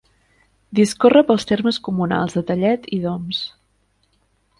Discorre pels termes comunals de Tellet i d'Oms.